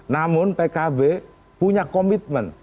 namun pkb punya komitmen